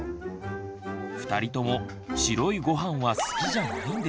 ２人とも白いごはんは好きじゃないんです。